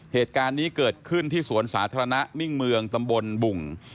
เหตุการณ์นี้เกิดขึ้นที่สวนสาธารณะมิ่งเมืองตำบลบุ่ง